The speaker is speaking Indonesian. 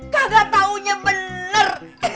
kagak taunya bener